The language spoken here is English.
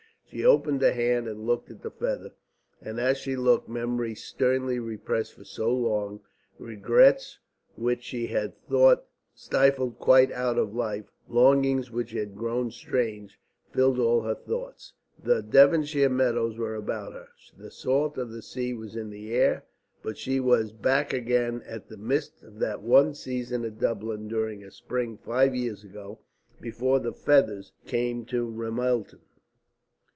She opened her hand and looked at the feather. And as she looked, memories sternly repressed for so long, regrets which she had thought stifled quite out of life, longings which had grown strange, filled all her thoughts. The Devonshire meadows were about her, the salt of the sea was in the air, but she was back again in the midst of that one season at Dublin during a spring five years ago, before the feathers came to Ramelton.